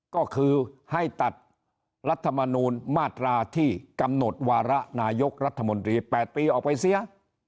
ก็คือให้ตัดรัฐมนูลมาตราที่กำหนดวาระนายกรัฐมนตรี๘ปีออกไปเสีย